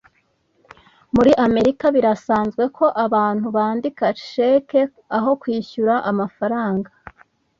Muri Amerika, birasanzwe ko abantu bandika cheque aho kwishyura amafaranga.